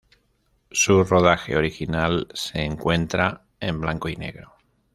Su rodaje original se encuentra en blanco y negro.